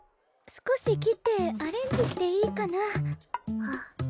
少し切ってアレンジしていいかな？